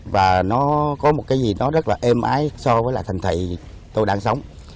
và nó có một cái gì nó rất là êm ái so với lại thành thị tôi đang sống